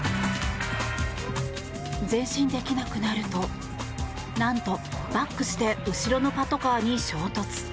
前進できなくなるとなんとバックして後ろのパトカーに衝突。